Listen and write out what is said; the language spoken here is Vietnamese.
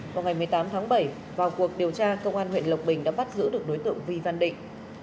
vào ngày một mươi tám tháng bảy vào cuộc điều tra công an huyện lộc bình đã bắt giữ được đối tượng vi văn định